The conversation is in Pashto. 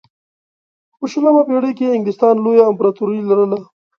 په شلمه پېړۍ کې انګلستان لویه امپراتوري لرله.